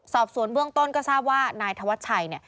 สอบสวนเบื้องต้นก็ทราบว่านายธวัชชัย